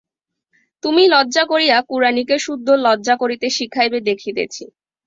তুমি লজ্জা করিয়া কুড়ানিকে সুদ্ধ লজ্জা করিতে শিখাইবে দেখিতেছি।